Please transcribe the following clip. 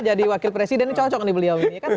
jadi wakil presiden ini cocok nih beliau ini